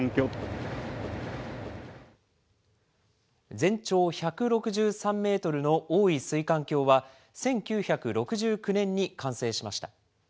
全長１６３メートルの大井水管橋は、１９６９年に完成しました。